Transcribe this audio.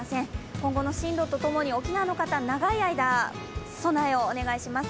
今後の進路とともに沖縄の方長い間、備えをお願いします。